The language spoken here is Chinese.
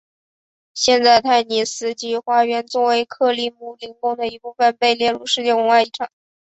现在泰尼斯基花园作为克里姆林宫的一部分被列入世界文化遗产。